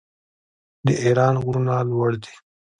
د ایران غرونه لوړ دي.